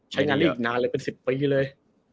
ใช้งานได้อีกนานเลยเป็น๑๐ปีเลย